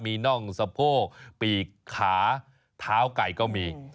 มีน่องสะโพกปีกขาเท้าไก่ก็มี